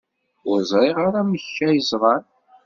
Ur ẓriɣ ara amek ay ẓran.